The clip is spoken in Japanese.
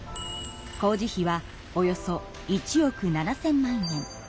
工事費はおよそ１億７，０００万円。